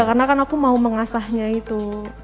karena kan aku mau mengasahnya itu